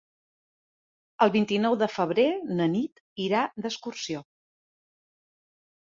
El vint-i-nou de febrer na Nit irà d'excursió.